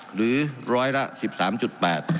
หรือร้อยละ๑๓๘